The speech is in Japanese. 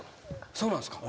そうなんですか？